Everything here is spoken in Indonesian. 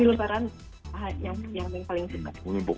lebaran yang paling suka